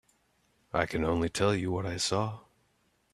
I can only tell you what I saw.